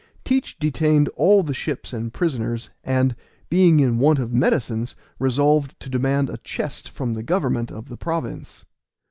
Teach detained all the ships and prisoners, and, being in want of medicines, resolved to demand a chest from the government of the province.